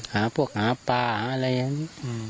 หาพวกหาปลาหาอะไรอย่างนี้